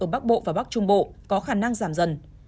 ở bắc bộ và bắc trung bộ có khả năng giảm dần